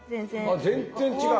あ全然違う。